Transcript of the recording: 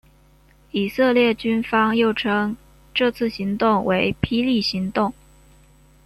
以色列军方又称这次行动为霹雳行动。